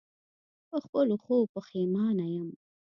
په خپلو ښو پښېمانه یم.